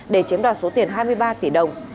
để chiếm đoạt số tiền hai mươi ba tỷ đồng